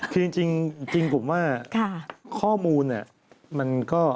คือจริงผมว่าข้อมูลมันก็